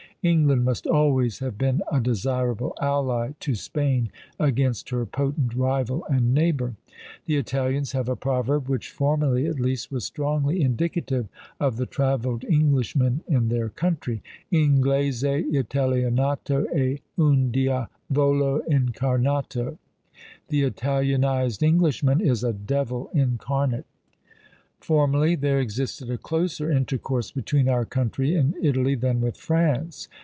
England must always have been a desirable ally to Spain against her potent rival and neighbour. The Italians have a proverb, which formerly, at least, was strongly indicative of the travelled Englishmen in their country, Inglese Italianato è un diavolo incarnato; "The Italianised Englishman is a devil incarnate." Formerly there existed a closer intercourse between our country and Italy than with France.